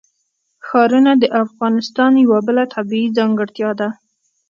ښارونه د افغانستان یوه بله طبیعي ځانګړتیا ده.